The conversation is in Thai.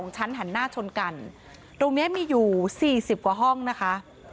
ชั้นหันหน้าชนกันตรงนี้มีอยู่๔๐กว่าห้องนะคะ